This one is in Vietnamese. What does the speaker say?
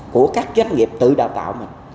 của các doanh nghiệp tự đào tạo mình